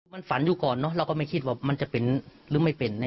มันฝันอยู่ก่อนเนอะเราก็ไม่คิดว่ามันจะเป็นหรือไม่เป็น